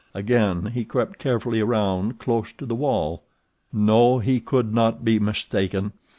Again he crept carefully around close to the wall. No, he could not be mistaken!